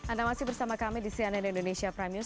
anda masih bersama kami di cnn indonesia prime news